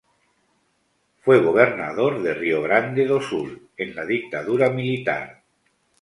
Fue gobernador de Rio Grande do Sul en la dictadura militar.